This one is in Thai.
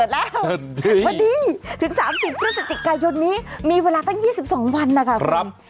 เฮ้ยเปิดแล้ววันนี้ถึง๓๐พฤศจิกายนนี้มีเวลาตั้ง๒๒วันนะคะคุณ